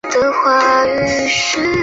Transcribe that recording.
无色透明易挥发液体。